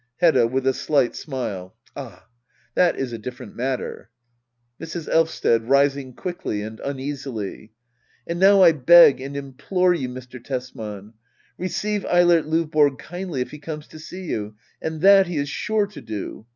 Hedda. [With a slighi smile,] Ah^ that is a different matter. Mrs. Elysted. [Rising quickly and uneasily. ] And now I beg and implore you, Mr. Tesman— receive Eilert Lovborg kindly if he comes to you ! And that he is sure to do.